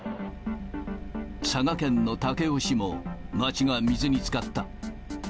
佐賀県の武雄市も、町が水につかった。